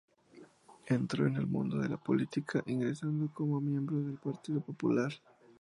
Entró en el mundo de la política ingresando como miembro del Partido Popular.